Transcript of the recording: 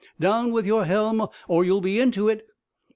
down with your helm, or you'll be into it!"